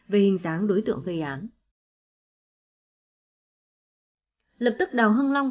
về các đối tượng gây án và công dân đào hưng long